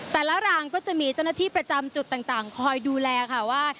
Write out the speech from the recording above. รางก็จะมีเจ้าหน้าที่ประจำจุดต่างคอยดูแลค่ะว่า